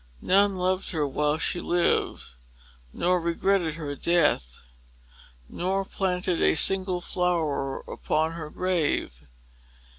None loved her while she lived, nor regretted her death, nor planted a single flower upon her grave.